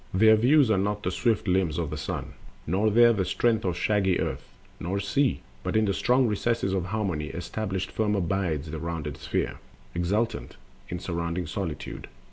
27. There views one not the swift limbs of the Sun, Nor there the strength of shaggy Earth, nor Sea; But in the strong recess of Harmony, Established firm abides the rounded Sphere, Exultant in surrounding solitude.